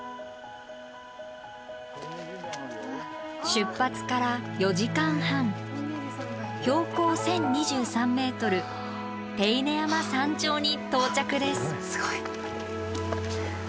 出発から４時間半標高１，０２３ｍ手稲山山頂に到着です。